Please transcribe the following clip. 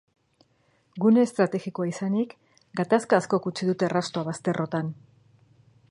Gune estrategikoa izanik, gatazka askok utzi dute arrastoa bazterrotan.